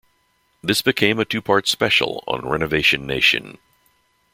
This became a two-part special on "Renovation Nation".